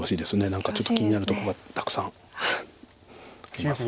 何かちょっと気になるとこがたくさんあります。